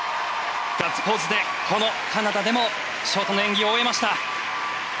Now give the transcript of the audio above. ガッツポーズでこのカナダでもショートの演技を終えました。